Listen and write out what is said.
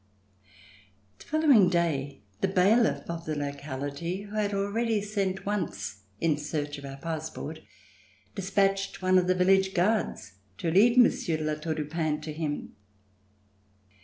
The following day the bailiff of the locality, who had already sent once in search of our passport, dispatched one of the village guards to lead Monsieur de La Tour du Pin to him.